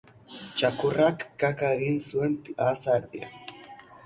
Txakurrak kaka egin zuen plaza erdian.